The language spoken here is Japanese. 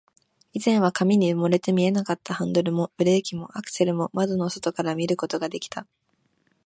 以前は紙に埋もれて見えなかったハンドルも、ブレーキも、アクセルも、窓の外から見ることができた